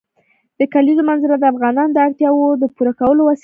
د کلیزو منظره د افغانانو د اړتیاوو د پوره کولو وسیله ده.